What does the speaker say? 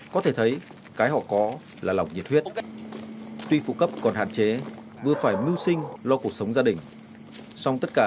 có thể thấy cái họ có là lòng nhiệt huyết